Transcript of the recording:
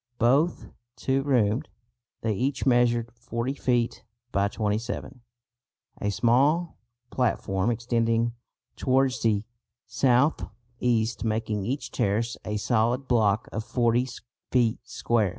Both two roomed, they each measured 40 feet by 27, a small platform extending towards the south east making each terrace a solid block of 40 feet square.